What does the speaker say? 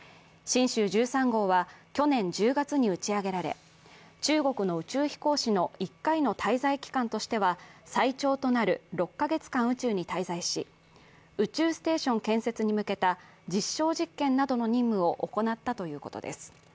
「神舟１３号」は去年１０月に打ち上げられ中国の宇宙飛行士の１回の滞在期間としては最長となる６カ月間宇宙に滞在し、宇宙ステーション建設に向けた実証実験などの任務を行ったということです。